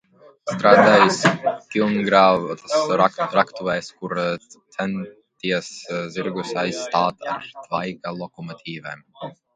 Strādājis Kilingvērtas raktuvēs, kur centies zirgus aizstāt ar tvaika lokomotīvēm.